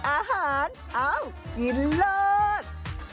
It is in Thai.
อาหารเอ้ากินเลิศ